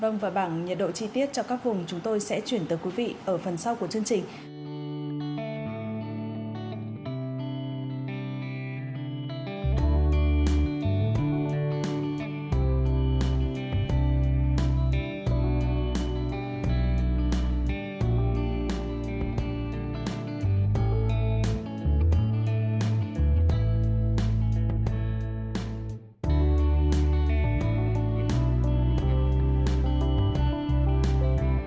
vâng và bảng nhiệt độ chi tiết cho các vùng chúng tôi sẽ chuyển tới quý vị ở phần sau của chương trình